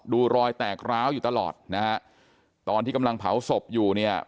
รอยแตกร้าวอยู่ตลอดนะฮะตอนที่กำลังเผาศพอยู่เนี่ย